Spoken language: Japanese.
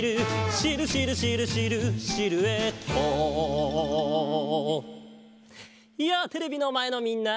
「シルシルシルシルシルエット」やあテレビのまえのみんな！